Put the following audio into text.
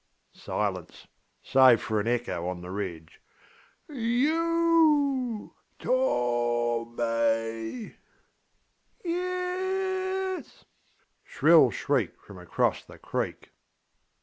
Silence, save for an echo on the ridge. ŌĆśY o u, T o m may! ŌĆÖ ŌĆśYe e s!ŌĆÖ shrill shriek from across the creek.